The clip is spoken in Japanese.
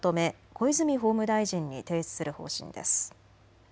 小泉法務大臣に提出する方針です。